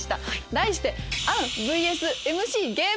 題して。